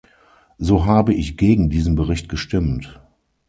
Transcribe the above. So habe ich gegen diesen Bericht gestimmt.